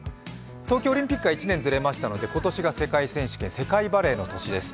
東京オリンピックが１年ずれましたので、今年が世界選手権、世界バレーの年です。